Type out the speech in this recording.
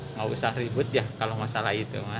nggak usah ribut ya kalau masalah itu